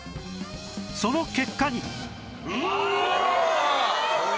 その結果にうわ！